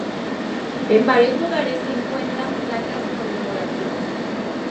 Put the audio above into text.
En varios lugares se encuentran placas conmemorativas.